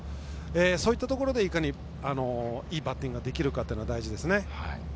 そういったところでいかにいいバッティングができるかというのが大事ですね。